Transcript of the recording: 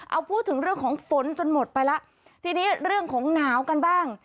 เอาพูดถึงเรื่องของฝนจนหมดไปแล้วทีนี้เรื่องของหนาวกันบ้าง